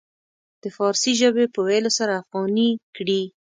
د فارسي ژبې په ويلو سره افغاني کړي.